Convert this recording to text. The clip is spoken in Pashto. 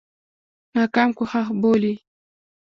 ناکام کوښښ بولي.